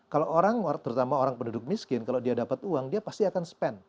kalau orang terutama orang penduduk miskin kalau dia dapat uang dia pasti akan spend